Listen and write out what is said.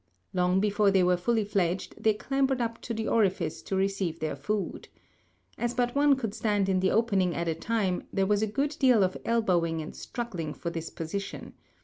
Long before they were fully fledged they clambered up to the orifice to receive their food. As but one could stand in the opening at a time, there was a good deal of elbowing and struggling for this position.